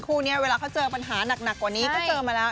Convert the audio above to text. คู่นี้เวลาเขาเจอปัญหาหนักกว่านี้ก็เจอมาแล้ว